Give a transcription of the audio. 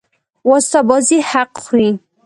واسطه بازي حق خوري.